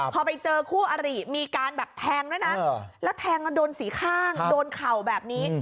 พอไปเจอคู่อริมีการแบบแทงด้วยนะแล้วแทงกันโดนสีข้างโดนเข่าแบบนี้